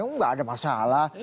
enggak ada masalah